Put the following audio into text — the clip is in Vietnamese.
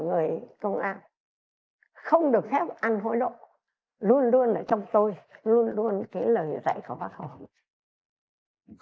người công an không được phép ăn hối lộ luôn luôn ở trong tôi luôn luôn cái lời dạy của bác hồ